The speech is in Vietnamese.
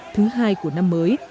thứ hai của năm mới